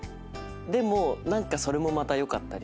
でも何かそれもまたよかったりする。